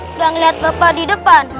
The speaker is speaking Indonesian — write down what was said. nggak ngeliat bapak di depan